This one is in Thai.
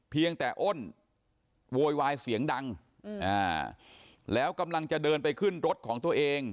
เพียงแต่อ้นโวยวายเสียงดังแล้วกำลังจะเดินไปขึ้นรถของตัวเอง